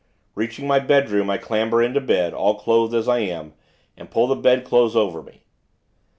Reaching my bedroom, I clamber into bed, all clothed as I am, and pull the bedclothes over me.